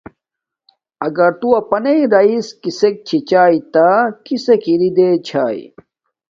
اگر تو اپناݵ راس کسک چھی چاݵ تا کسک راݵ رے چھاݵ